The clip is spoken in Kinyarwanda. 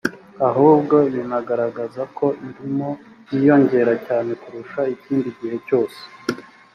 ahubwo binagaragaza ko irimo yiyongera cyane kurusha ikindi gihe cyose